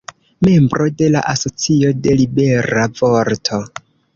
Membro de la Asocio de Libera Vorto.